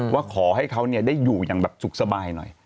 ว่าขอให้เขาได้อยู่อย่างแบบสุขสบายหน่อย